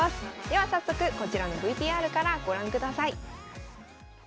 では早速こちらのＶＴＲからご覧ください。